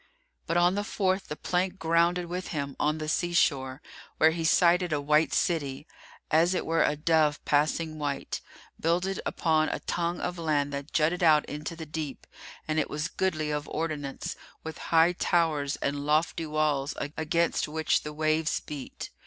But on the fourth the plank grounded with him on the sea shore where he sighted a white city, as it were a dove passing white, builded upon a tongue of land that jutted out into the deep and it was goodly of ordinance, with high towers and lofty walls against which the waves beat.